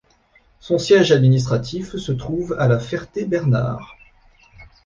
Son siège administratif se trouve à La Ferté-Bernard.